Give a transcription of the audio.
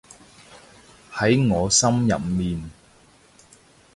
喺我心入面